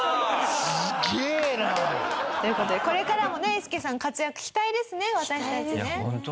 すげえな！という事でこれからもねえーすけさん活躍期待ですね私たちね。